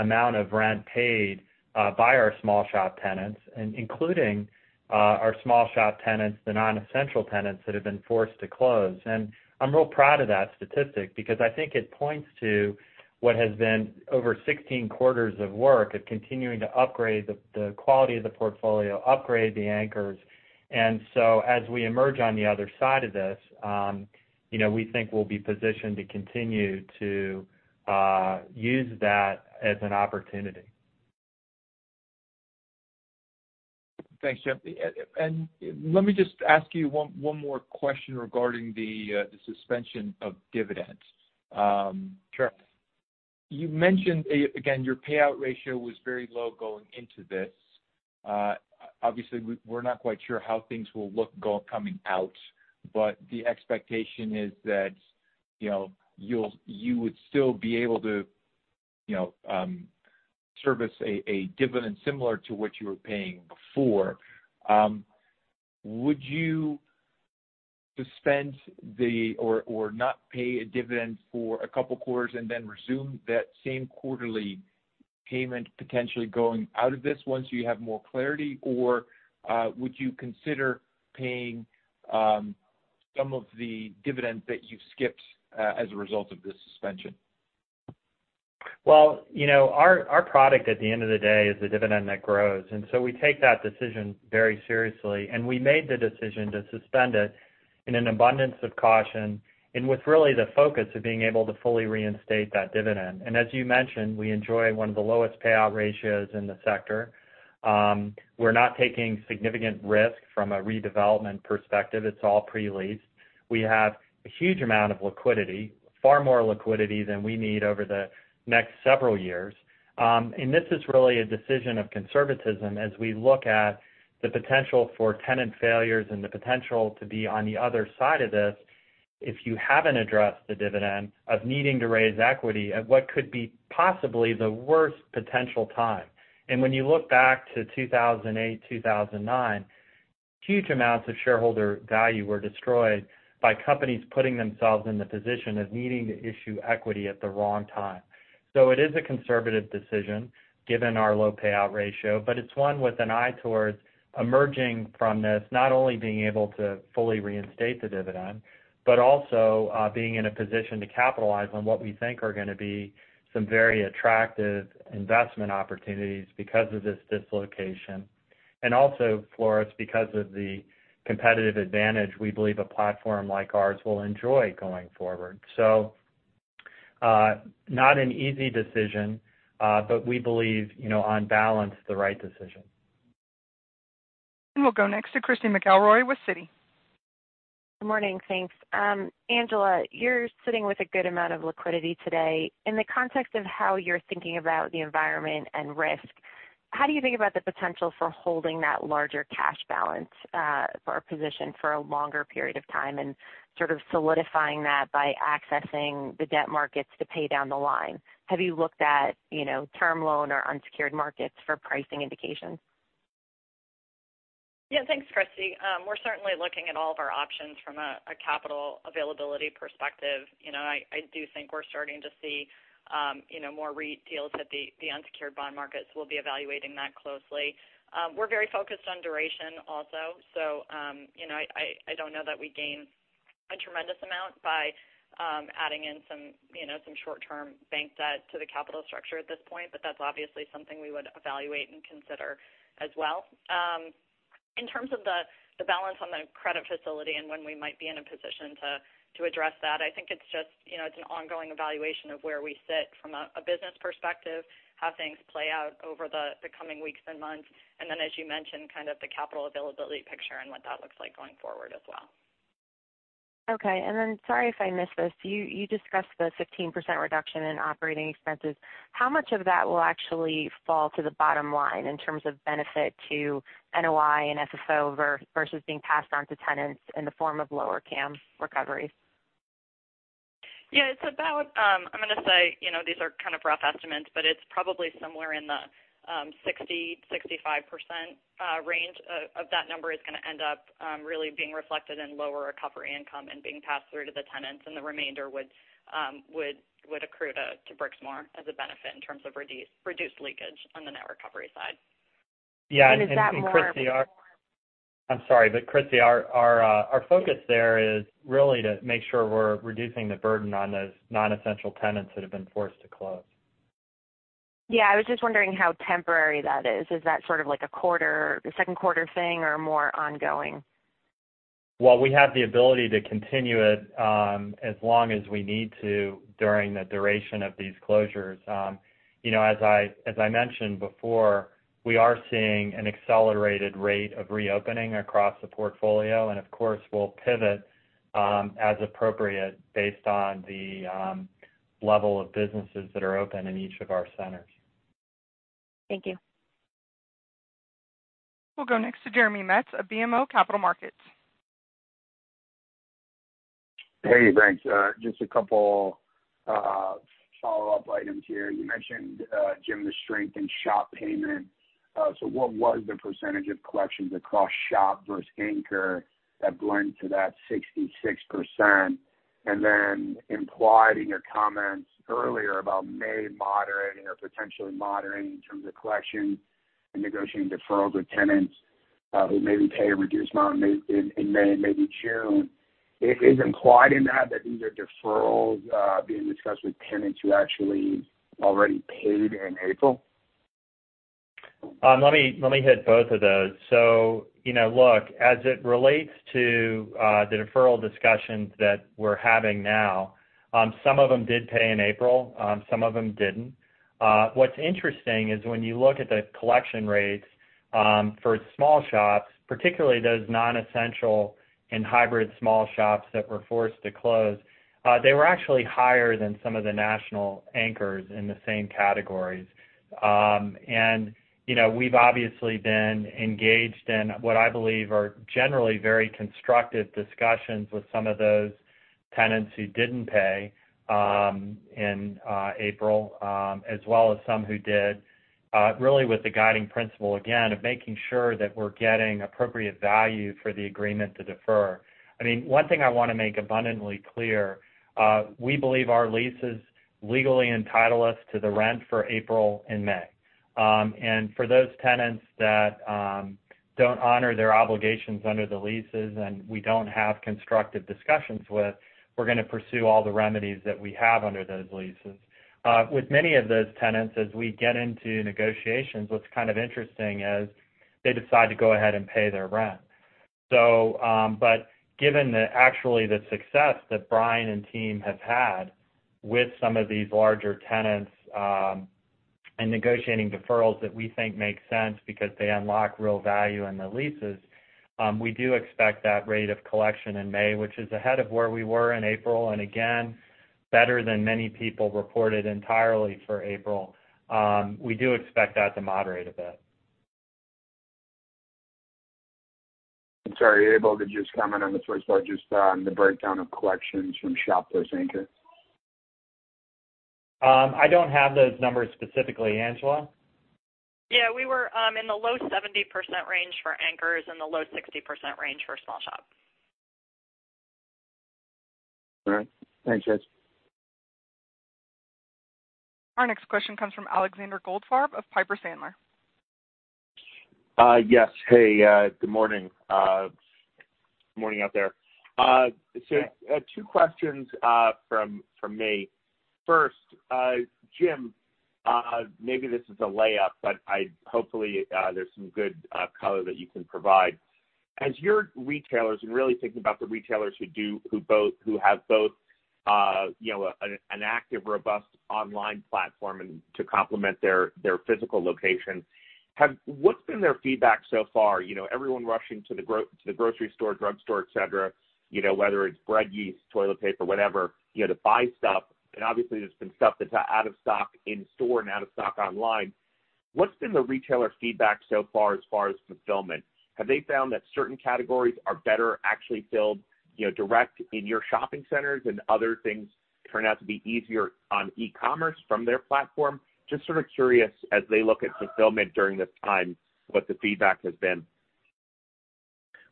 amount of rent paid by our small shop tenants, including our small shop tenants, the non-essential tenants that have been forced to close. I'm real proud of that statistic because I think it points to what has been over 16 quarters of work of continuing to upgrade the quality of the portfolio, upgrade the anchors. As we emerge on the other side of this, we think we'll be positioned to continue to use that as an opportunity. Thanks, Jim. Let me just ask you one more question regarding the suspension of dividends. Sure. You mentioned, again, your payout ratio was very low going into this. Obviously, we're not quite sure how things will look coming out, but the expectation is that you would still be able to service a dividend similar to what you were paying before. Would you suspend or not pay a dividend for a couple quarters and then resume that same quarterly payment potentially going out of this once you have more clarity, or would you consider paying some of the dividends that you've skipped as a result of this suspension? Well, our product at the end of the day is a dividend that grows. We take that decision very seriously, and we made the decision to suspend it in an abundance of caution and with really the focus of being able to fully reinstate that dividend. As you mentioned, we enjoy one of the lowest payout ratios in the sector. We're not taking significant risk from a redevelopment perspective. It's all pre-leased. We have a huge amount of liquidity, far more liquidity than we need over the next several years. This is really a decision of conservatism as we look at the potential for tenant failures and the potential to be on the other side of this, if you haven't addressed the dividend of needing to raise equity at what could be possibly the worst potential time. When you look back to 2008, 2009, huge amounts of shareholder value were destroyed by companies putting themselves in the position of needing to issue equity at the wrong time. It is a conservative decision given our low payout ratio, but it's one with an eye towards emerging from this, not only being able to fully reinstate the dividend, but also being in a position to capitalize on what we think are going to be some very attractive investment opportunities because of this dislocation. Also, Floris, because of the competitive advantage we believe a platform like ours will enjoy going forward. Not an easy decision, but we believe, on balance, the right decision. We'll go next to Christy McElroy with Citi. Good morning. Thanks. Angela, you're sitting with a good amount of liquidity today. In the context of how you're thinking about the environment and risk, how do you think about the potential for holding that larger cash balance for a position for a longer period of time and sort of solidifying that by accessing the debt markets to pay down the line? Have you looked at term loan or unsecured markets for pricing indications? Yeah. Thanks, Christy. We're certainly looking at all of our options from a capital availability perspective. I do think we're starting to see more REIT deals at the unsecured bond markets. We'll be evaluating that closely. We're very focused on duration also. I don't know that we gain a tremendous amount by adding in some short-term bank debt to the capital structure at this point, but that's obviously something we would evaluate and consider as well. In terms of the balance on the credit facility and when we might be in a position to address that, I think it's an ongoing evaluation of where we sit from a business perspective, how things play out over the coming weeks and months, and then, as you mentioned, kind of the capital availability picture and what that looks like going forward as well. Okay. Sorry if I missed this. You discussed the 15% reduction in operating expenses. How much of that will actually fall to the bottom line in terms of benefit to NOI and FFO versus being passed on to tenants in the form of lower CAM recoveries? I'm going to say, these are kind of rough estimates, but it's probably somewhere in the 60%-65% range of that number is going to end up really being reflected in lower recovery income and being passed through to the tenants, and the remainder would accrue to Brixmor as a benefit in terms of reduced leakage on the net recovery side. Yeah. Christy. Is that more? I'm sorry, Christy, our focus there is really to make sure we're reducing the burden on those non-essential tenants that have been forced to close. Yeah, I was just wondering how temporary that is. Is that sort of like a second quarter thing or more ongoing? Well, we have the ability to continue it, as long as we need to during the duration of these closures. As I mentioned before, we are seeing an accelerated rate of reopening across the portfolio. Of course, we'll pivot, as appropriate based on the level of businesses that are open in each of our centers. Thank you. We'll go next to Jeremy Metz of BMO Capital Markets. Hey, Brian. Just a couple follow-up items here. You mentioned, Jim, the strength in shop payment. What was the percentage of collections across shop versus anchor that blend to that 66%? Implied in your comments earlier about May moderating or potentially moderating in terms of collections and negotiating deferrals with tenants, who maybe pay a reduced amount in May and maybe June. Is implied in that these are deferrals being discussed with tenants who actually already paid in April? Let me hit both of those. Look, as it relates to the deferral discussions that we're having now, some of them did pay in April, some of them didn't. What's interesting is when you look at the collection rates for small shops, particularly those non-essential and hybrid small shops that were forced to close, they were actually higher than some of the national anchors in the same categories. We've obviously been engaged in what I believe are generally very constructive discussions with some of those tenants who didn't pay in April, as well as some who did, really with the guiding principle, again, of making sure that we're getting appropriate value for the agreement to defer. One thing I want to make abundantly clear. We believe our leases legally entitle us to the rent for April and May. For those tenants that don't honor their obligations under the leases and we don't have constructive discussions with, we're going to pursue all the remedies that we have under those leases. With many of those tenants, as we get into negotiations, what's kind of interesting is they decide to go ahead and pay their rent. Given actually the success that Brian and team have had with some of these larger tenants, in negotiating deferrals that we think make sense because they unlock real value in the leases, we do expect that rate of collection in May, which is ahead of where we were in April, and again, better than many people reported entirely for April. We do expect that to moderate a bit. I'm sorry, are you able to just comment on the first part, just on the breakdown of collections from shop versus anchor? I don't have those numbers specifically. Angela? Yeah, we were in the low 70% range for anchors and the low 60% range for small shop. All right. Thanks, guys. Our next question comes from Alexander Goldfarb of Piper Sandler. Yes. Hey, good morning. Good morning out there. Hi. Two questions from me. First, Jim, maybe this is a layup, but hopefully, there's some good color that you can provide. As your retailers, and really thinking about the retailers who have both an active, robust online platform and to complement their physical location, what's been their feedback so far? Everyone rushing to the grocery store, drug store, et cetera, whether it's bread, yeast, toilet paper, whatever, to buy stuff, and obviously there's been stuff that's out of stock in store and out of stock online. What's been the retailer feedback so far as far as fulfillment? Have they found that certain categories are better actually filled direct in your shopping centers and other things turn out to be easier on e-commerce from their platform? Just sort of curious as they look at fulfillment during this time, what the feedback has been.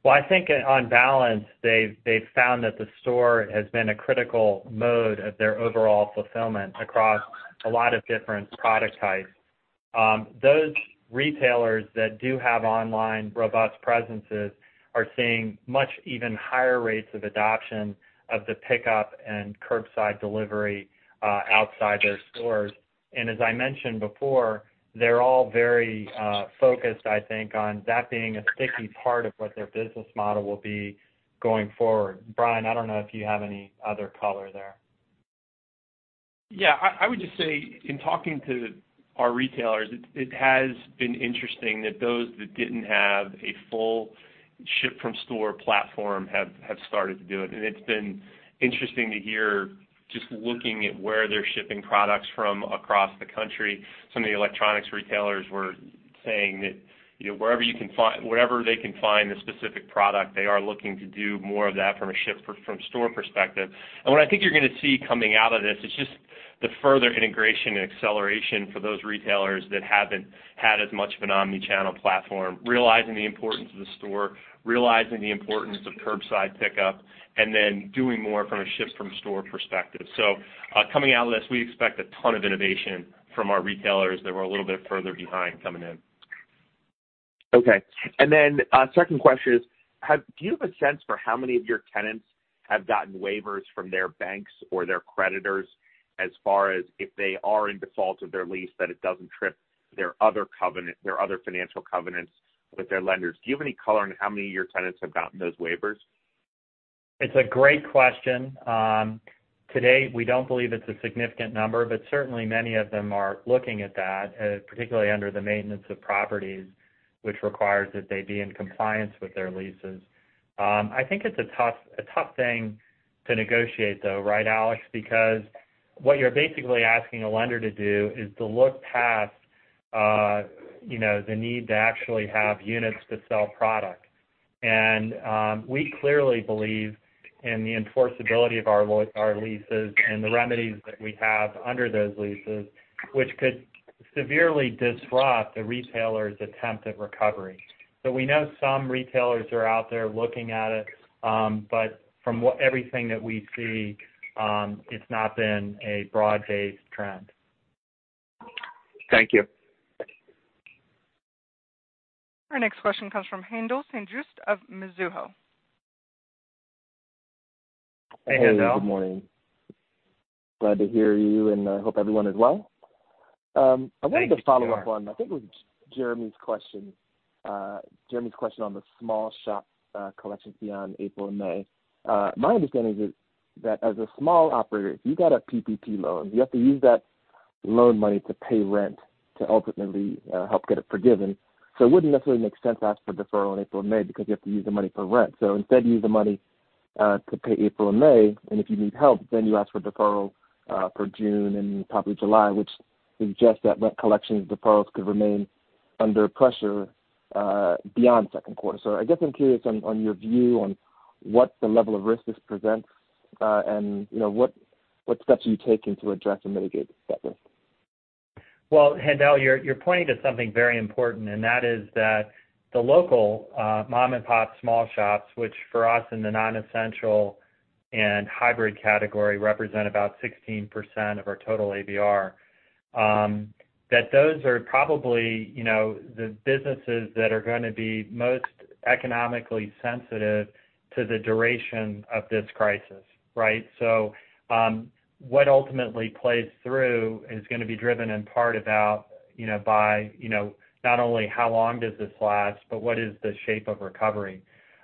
Well, I think on balance, they've found that the store has been a critical mode of their overall fulfillment across a lot of different product types. Those retailers that do have online robust presences are seeing much even higher rates of adoption of the pickup and curbside delivery outside their stores. As I mentioned before, they're all very focused, I think, on that being a sticky part of what their business model will be going forward. Brian, I don't know if you have any other color there. Yeah, I would just say in talking to our retailers, it has been interesting that those that didn't have a full ship-from-store platform have started to do it. It's been interesting to hear just looking at where they're shipping products from across the country. Some of the electronics retailers were saying that wherever they can find the specific product, they are looking to do more of that from a ship-from-store perspective. What I think you're going to see coming out of this is just the further integration and acceleration for those retailers that haven't had as much of an omni-channel platform, realizing the importance of the store, realizing the importance of curbside pickup, and then doing more from a ship-from-store perspective. Coming out of this, we expect a ton of innovation from our retailers that were a little bit further behind coming in. Okay. Second question is, do you have a sense for how many of your tenants have gotten waivers from their banks or their creditors as far as if they are in default of their lease, that it doesn't trip their other financial covenants with their lenders? Do you have any color on how many of your tenants have gotten those waivers? It's a great question. Today, we don't believe it's a significant number, but certainly many of them are looking at that, particularly under the maintenance of properties, which requires that they be in compliance with their leases. I think it's a tough thing to negotiate, though, right, Alex? Because what you're basically asking a lender to do is to look past the need to actually have units to sell product. We clearly believe in the enforceability of our leases and the remedies that we have under those leases, which could severely disrupt the retailer's attempt at recovery. We know some retailers are out there looking at it. From everything that we see, it's not been a broad-based trend. Thank you. Our next question comes from Haendel St. Juste of Mizuho. Hey, Haendel. Hey. Good morning. Glad to hear you, and I hope everyone is well. Thank you. Sure. I wanted to follow up on, I think it was Jeremy's question on the small shop collections beyond April and May. My understanding is that as a small operator, if you got a PPP loan, you have to use that loan money to pay rent to ultimately help get it forgiven. It wouldn't necessarily make sense to ask for deferral in April and May because you have to use the money for rent. Instead, you use the money to pay April and May, and if you need help, then you ask for deferral for June and probably July, which suggests that rent collections deferrals could remain under pressure beyond second quarter. I guess I'm curious on your view on what the level of risk this presents, and what steps are you taking to address and mitigate that risk? Haendel, you're pointing to something very important, and that is that the local mom-and-pop small shops, which for us in the non-essential and hybrid category represent about 16% of our total ABR, that those are probably the businesses that are going to be most economically sensitive to the duration of this crisis. Right? What ultimately plays through is going to be driven in part about by not only how long does this last, but what is the shape of recovery.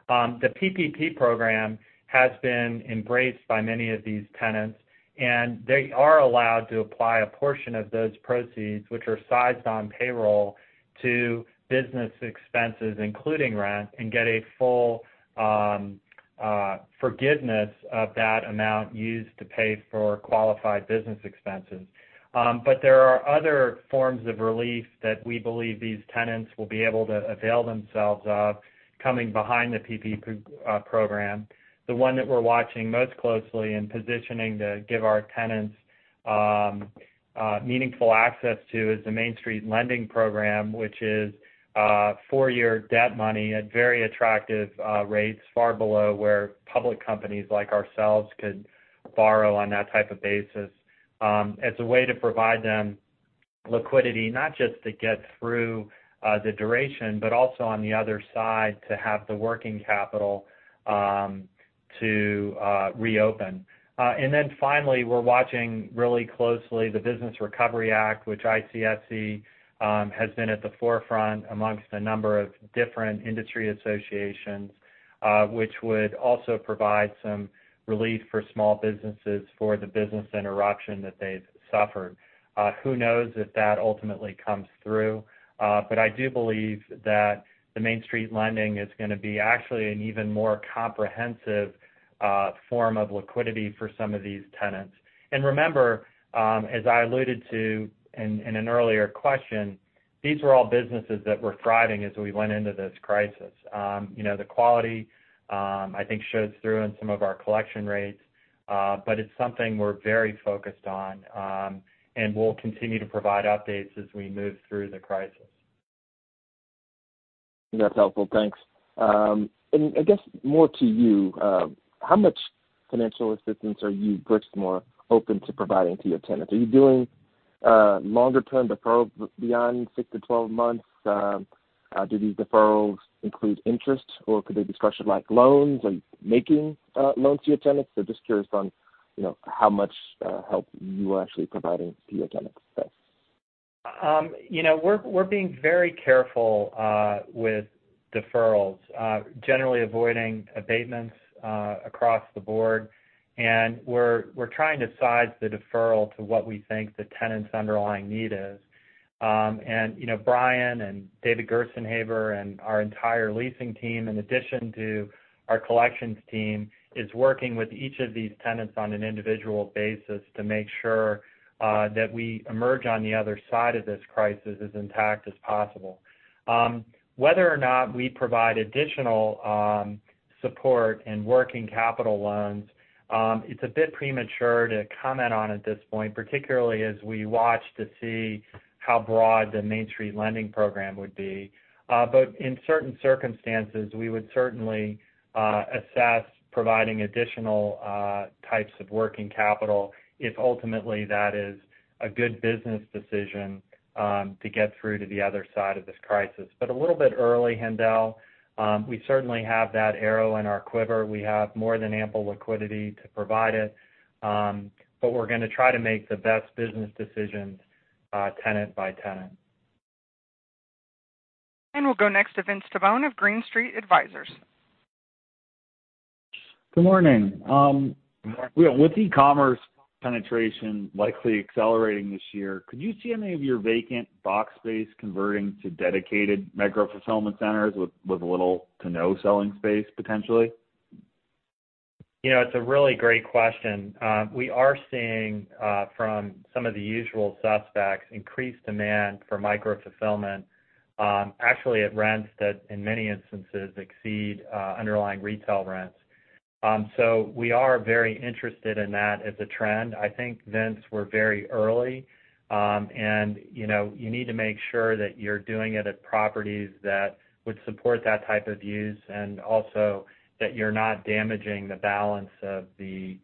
The PPP program has been embraced by many of these tenants, and they are allowed to apply a portion of those proceeds, which are sized on payroll, to business expenses, including rent, and get a full forgiveness of that amount used to pay for qualified business expenses. There are other forms of relief that we believe these tenants will be able to avail themselves of coming behind the PPP program. The one that we're watching most closely and positioning to give our tenants meaningful access to is the Main Street Lending Program, which is four-year debt money at very attractive rates, far below where public companies like ourselves could borrow on that type of basis, as a way to provide them liquidity, not just to get through the duration, but also on the other side, to have the working capital to reopen. Finally, we're watching really closely the Business Recovery Act, which ICSC has been at the forefront amongst a number of different industry associations, which would also provide some relief for small businesses for the business interruption that they've suffered. Who knows if that ultimately comes through. I do believe that the Main Street Lending is going to be actually an even more comprehensive form of liquidity for some of these tenants. Remember, as I alluded to in an earlier question, these were all businesses that were thriving as we went into this crisis. The quality, I think, shows through in some of our collection rates. It's something we're very focused on, and we'll continue to provide updates as we move through the crisis. That's helpful. Thanks. I guess more to you, how much financial assistance are you, Brixmor, open to providing to your tenants? Are you doing longer-term deferrals beyond six to 12 months? Do these deferrals include interest, or could they be structured like loans? Are you making loans to your tenants? Just curious on how much help you are actually providing to your tenants. Thanks. We're being very careful with deferrals, generally avoiding abatements across the board. We're trying to size the deferral to what we think the tenant's underlying need is. Brian and David Gerstenhaber, and our entire leasing team, in addition to our collections team, is working with each of these tenants on an individual basis to make sure that we emerge on the other side of this crisis as intact as possible. Whether or not we provide additional support and working capital loans. It's a bit premature to comment on at this point, particularly as we watch to see how broad the Main Street Lending Program would be. In certain circumstances, we would certainly assess providing additional types of working capital if ultimately that is a good business decision to get through to the other side of this crisis. A little bit early, Haendel. We certainly have that arrow in our quiver. We have more than ample liquidity to provide it. We're going to try to make the best business decisions tenant by tenant. We'll go next to Vince Tibone of Green Street Advisors. Good morning. Good morning. With e-commerce penetration likely accelerating this year, could you see any of your vacant box space converting to dedicated micro-fulfillment centers with little to no selling space, potentially? It's a really great question. We are seeing, from some of the usual suspects, increased demand for micro-fulfillment, actually at rents that, in many instances, exceed underlying retail rents. We are very interested in that as a trend. I think, Vince, we're very early. You need to make sure that you're doing it at properties that would support that type of use, and also that you're not damaging the balance of the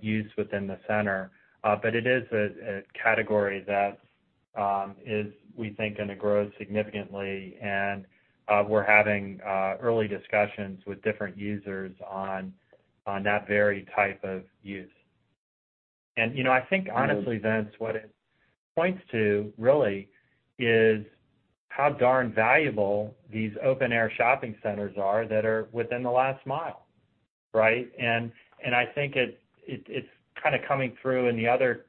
use within the center. It is a category that is, we think, going to grow significantly. We're having early discussions with different users on that very type of use. I think honestly, Vince, what it points to really is how darn valuable these open-air shopping centers are that are within the last mile. Right? I think it's kind of coming through in the other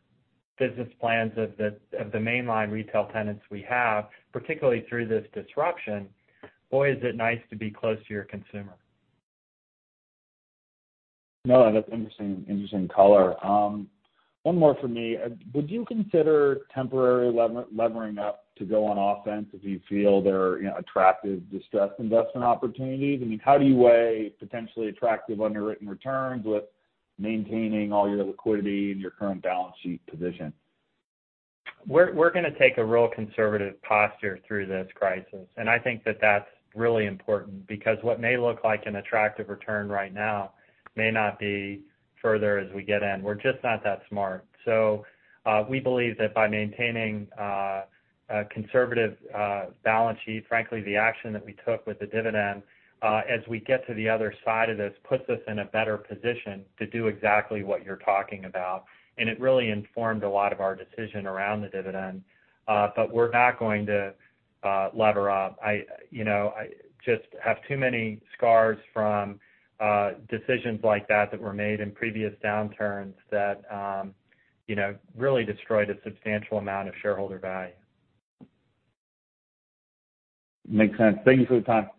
business plans of the mainline retail tenants we have, particularly through this disruption. Boy, is it nice to be close to your consumer. No, that's interesting color. One more from me. Would you consider temporarily levering up to go on offense if you feel there are attractive distressed investment opportunities? I mean, how do you weigh potentially attractive underwritten returns with maintaining all your liquidity and your current balance sheet position? We're going to take a real conservative posture through this crisis, I think that that's really important, because what may look like an attractive return right now may not be further as we get in. We're just not that smart. We believe that by maintaining a conservative balance sheet, frankly, the action that we took with the dividend as we get to the other side of this puts us in a better position to do exactly what you're talking about. It really informed a lot of our decision around the dividend. We're not going to lever up. I just have too many scars from decisions like that that were made in previous downturns that really destroyed a substantial amount of shareholder value. Makes sense. Thank you for the time.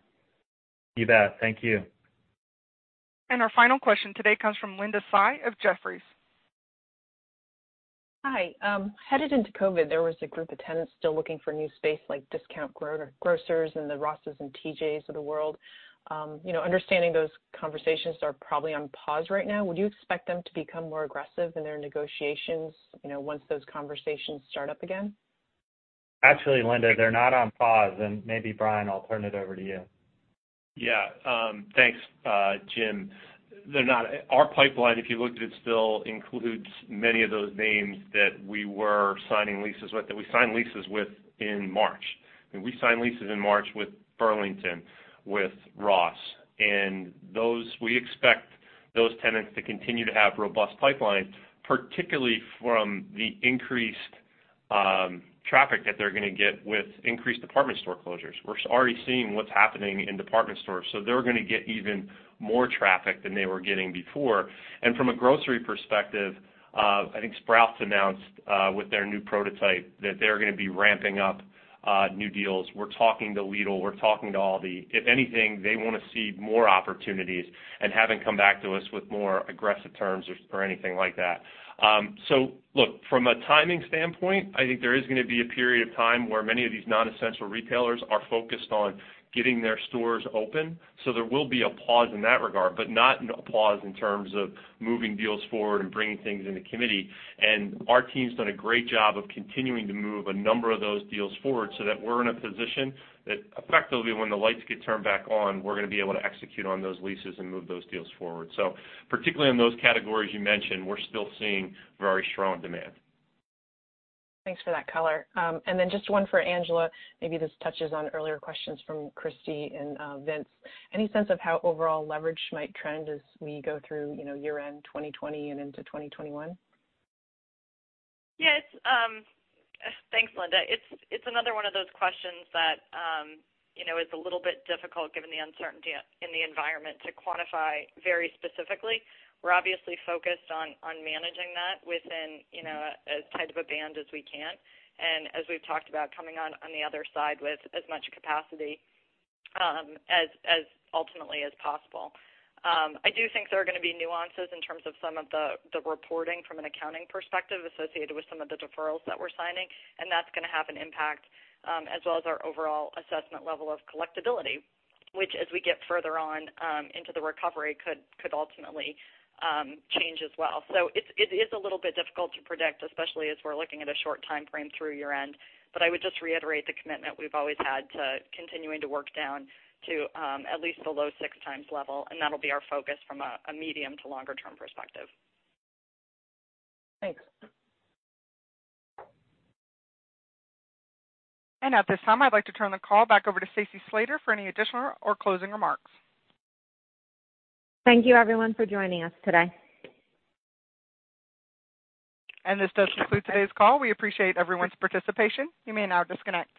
You bet. Thank you. Our final question today comes from Linda Tsai of Jefferies. Hi. Headed into COVID-19, there was a group of tenants still looking for new space, like discount grocers and the Rosses and TJs of the world. Understanding those conversations are probably on pause right now, would you expect them to become more aggressive in their negotiations once those conversations start up again? Actually, Linda, they're not on pause, and maybe, Brian, I'll turn it over to you. Yeah. Thanks, Jim. They're not. Our pipeline, if you looked at it still, includes many of those names that we signed leases with in March. I mean, we signed leases in March with Burlington, with Ross, we expect those tenants to continue to have robust pipelines, particularly from the increased traffic that they're going to get with increased department store closures. We're already seeing what's happening in department stores. They're going to get even more traffic than they were getting before. From a grocery perspective, I think Sprouts announced with their new prototype that they're going to be ramping up new deals. We're talking to Lidl. We're talking to Aldi. If anything, they want to see more opportunities and haven't come back to us with more aggressive terms or anything like that. I think there is going to be a period of time where many of these non-essential retailers are focused on getting their stores open. There will be a pause in that regard, but not a pause in terms of moving deals forward and bringing things into committee. Our team's done a great job of continuing to move a number of those deals forward so that we're in a position that effectively, when the lights get turned back on, we're going to be able to execute on those leases and move those deals forward. Particularly in those categories you mentioned, we're still seeing very strong demand. Thanks for that color. Just one for Angela. Maybe this touches on earlier questions from Christy and Vince. Any sense of how overall leverage might trend as we go through year-end 2020 and into 2021? Yes. Thanks, Linda. It's another one of those questions that is a little bit difficult given the uncertainty in the environment to quantify very specifically. We're obviously focused on managing that within as tight of a band as we can, and as we've talked about, coming out on the other side with as much capacity ultimately as possible. I do think there are going to be nuances in terms of some of the reporting from an accounting perspective associated with some of the deferrals that we're signing, and that's going to have an impact, as well as our overall assessment level of collectibility, which, as we get further on into the recovery, could ultimately change as well. It is a little bit difficult to predict, especially as we're looking at a short timeframe through year-end. I would just reiterate the commitment we've always had to continuing to work down to at least the low six times level, and that'll be our focus from a medium to longer term perspective. Thanks. At this time, I'd like to turn the call back over to Stacy Slater for any additional or closing remarks. Thank you everyone for joining us today. This does conclude today's call. We appreciate everyone's participation. You may now disconnect.